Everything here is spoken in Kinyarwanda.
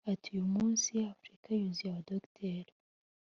Ati “Uyu munsi Afurika yuzuye abadogiteri